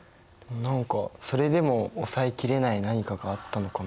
何かそれでも抑えきれない何かがあったのかな。